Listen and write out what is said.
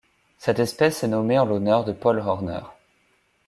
Cette espèce est nommée en l'honneur de Paul Horner.